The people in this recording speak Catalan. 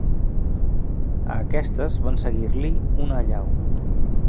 A aquestes van seguir-li, una allau.